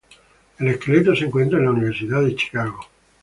El esqueleto se encuentra en la Universidad de Chicago.